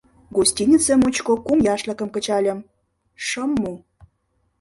Гостинице мучко кум яшлыкым кычальым — шым му.